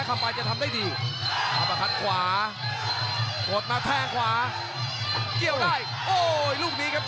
กดข้อตีด้วยเขาขวาครับ